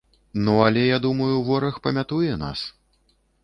Ну, але я думаю, вораг памятуе нас.